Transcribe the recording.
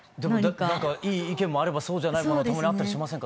いい意見もあればそうじゃないものもたまにあったりしませんか？